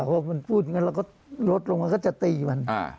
พอมันพูดอย่างนั้นเราก็ลดลงมาก็จะตีมัน